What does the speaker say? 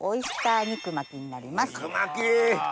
肉巻き！